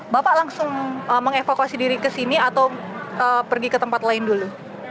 bapak langsung mengevakuasi diri ke sini atau pergi ke tempat lain dulu